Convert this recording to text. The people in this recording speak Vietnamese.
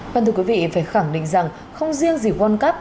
vâng thưa quý vị phải khẳng định rằng không riêng gì world cup